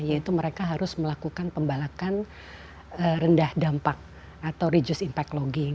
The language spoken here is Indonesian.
yaitu mereka harus melakukan pembalakan rendah dampak atau reduce impact logging